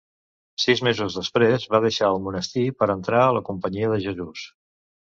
Sis mesos després va deixar el monestir per entrar a la Companyia de Jesús.